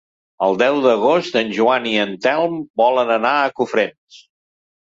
El deu d'agost en Joan i en Telm volen anar a Cofrents.